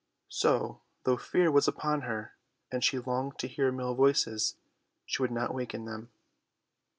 So, though fear was upon her, and she longed to hear male voices, she would not waken them.